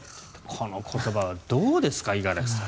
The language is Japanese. この言葉はどうですか五十嵐さん。